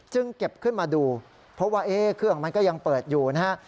เก็บขึ้นมาดูเพราะว่าเครื่องมันก็ยังเปิดอยู่นะฮะ